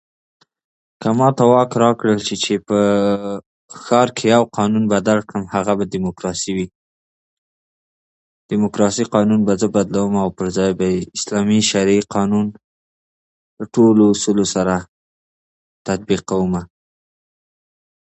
که ماته واک را کړل شې چې په ښار کې یو قانون بدل کړم هغه به دیموکراسې وي ديموکراسي قانون به زه بدلوم او پر ځای به یې اسلامې شرعي قانون دي ټولو اصولو سره تطبیق کومه